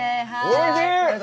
おいしい！